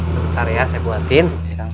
sebentar ya saya buatin